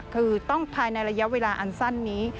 คือต้องภายในระยะเวลาอันสั้นนี้